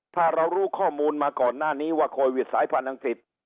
ถ้าเรารู้ข้อมูลมาก่อนหน้านี้ว่าโควิดสายพันธ์อังกฤษ